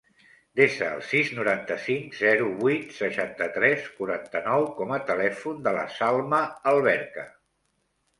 Desa el sis, noranta-cinc, zero, vuit, seixanta-tres, quaranta-nou com a telèfon de la Salma Alberca.